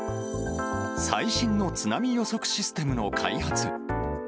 最新の津波予測システムの開発。